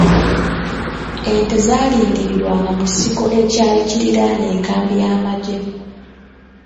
Ente zaalundirwanga mu kisiko ekyali kiriraanye enkambi y'amagye.